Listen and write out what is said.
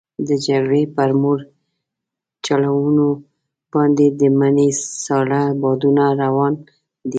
د جګړې پر مورچلونو باندې د مني ساړه بادونه روان دي.